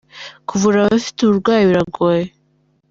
Kuvura abafite ubu burwayi biragoye ».